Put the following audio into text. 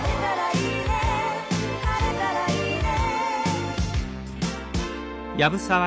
「晴れたらいいね」